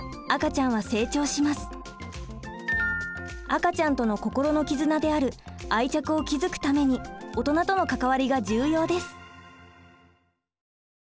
赤ちゃんとの心の絆である「愛着」を築くために大人との関わりが重要です。